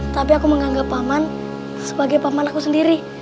tapi aku menganggap paman sebagai paman aku sendiri